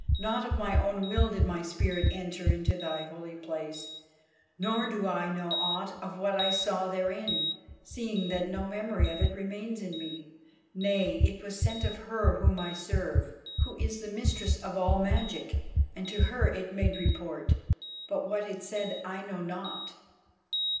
Not of my own will did my spirit enter into thy Holy Place, nor do I know aught of what it saw therein, seeing that no memory of it remains in me. Nay, it was sent of her whom I serve, who is the mistress of all magic, and to her it made report, but what it said I know not."